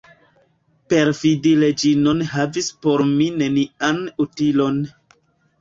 Perfidi Reĝinon havis por mi nenian utilon.